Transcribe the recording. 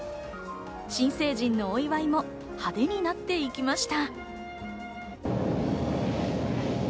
新成人のお祝いも派手になっていきました。